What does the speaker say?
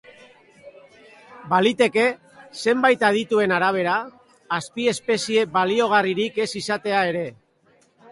Baliteke, zenbait adituen arabera, azpiespezie baliogarririk ez izatea ere.